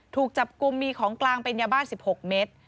ถูกจับกลุ่มมีของกลางเป็นยาบ้า๑๖เมตร